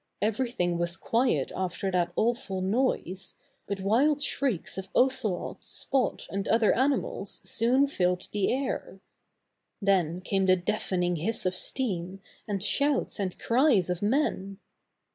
Everything was quiet after that awful noise, but wild shrieks of Oce lot, Spot and other animals soon filled the air. Buster in a Railroad Wreck 93 Then came the deafening hiss of steam, and shouts and cries of men.